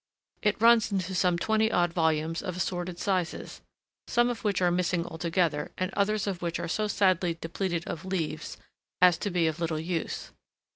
It runs into some twenty odd volumes of assorted sizes, some of which are missing altogether and others of which are so sadly depleted of leaves as to be of little use.